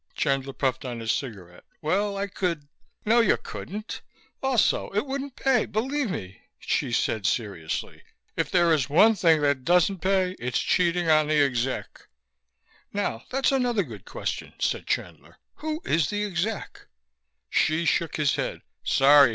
Chandler puffed on his cigarette. "Well, I could " "No, you couldn't. Also, it wouldn't pay, believe me," Hsi said seriously. "If there is one thing that doesn't pay, it is cheating on the Exec." "Now, that's another good question," said Chandler. "Who is the Exec?" Hsi shook his head. "Sorry.